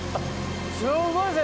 すごいですね。